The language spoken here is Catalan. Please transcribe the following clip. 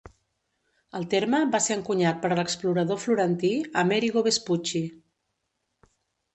El terme va ser encunyat per l'explorador florentí Amerigo Vespucci.